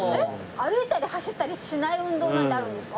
歩いたり走ったりしない運動なんてあるんですか？